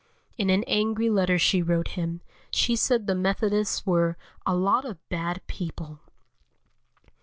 In an angry letter she wrote him, she said the Methodists were "a lot of bad people."